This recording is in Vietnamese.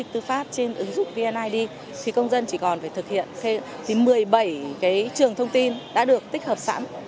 thông tin đã được tích hợp sẵn